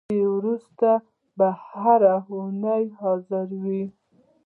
له دې وروسته به هر اوونۍ حاضرېږو.